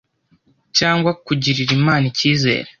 cyangwa kugirira Imana icyizere.